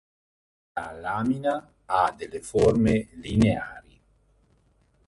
La lamina ha delle forme lineari.